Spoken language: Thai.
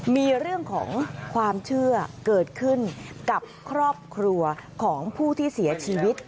มีเรื่องของความเชื่อเกิดขึ้นกับครอบครัวของผู้ที่เสียชีวิต